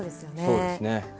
そうですね。